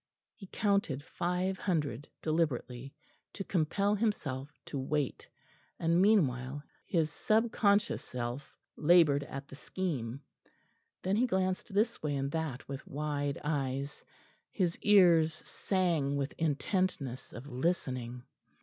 He counted five hundred deliberately, to compel himself to wait; and meanwhile his sub conscious self laboured at the scheme. Then he glanced this way and that with wide eyes; his ears sang with intentness of listening.